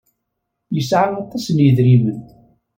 Yesɛa aṭas n yedrimen.